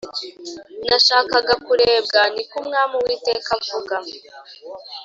Nashakaga kurebwa Ni ko Umwami Uwiteka avuga